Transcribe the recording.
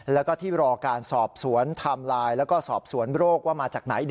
แล้วก็ที่รอการสอบสวนไทม์ไลน์แล้วก็สอบสวนโรคว่ามาจากไหน